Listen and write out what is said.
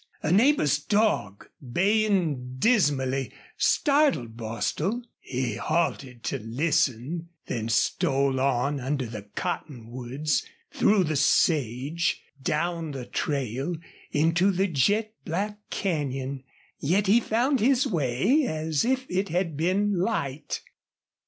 A neighbor's dog, baying dismally, startled Bostil. He halted to listen, then stole on under the cottonwoods, through the sage, down the trail, into the jet black canyon. Yet he found his way as if it had been light.